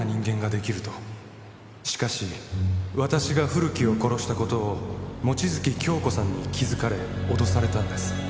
「しかし私が古木を殺した事を望月京子さんに気づかれ脅されたんです」